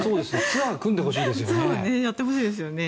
ツアーを組んでほしいですね。